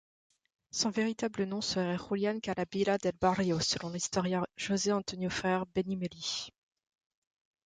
Son véritable nom serait Julián Carlavilla del Barrio selon l'historien José Antonio Ferrer Benimeli.